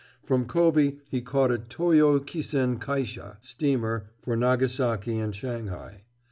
From Kobe he caught a Toyo Kisen Kaisha steamer for Nagasaki and Shanghai.